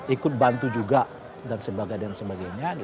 ikut bantu juga dan sebagainya